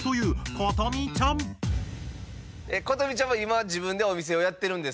ことみちゃんは今自分でお店をやってるんですか？